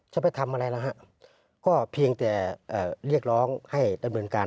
จะไปทำอะไรแล้วฮะก็เพียงแต่เรียกร้องให้ดำเนินการ